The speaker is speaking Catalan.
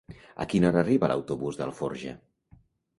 A quina hora arriba l'autobús d'Alforja?